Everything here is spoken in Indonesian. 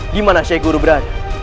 gimana syekh guru berada